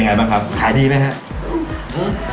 จุดไรบ้างครับขายดีไหมครับกะครับ